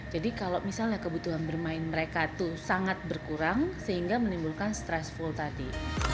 jadi kalau misalnya kebutuhan bermain mereka tuh sangat berkurang sehingga menimbulkan stressfull tadi